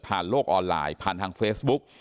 ผ่านโลกออนไลน์ผ่านทางเฟสบุ๊ค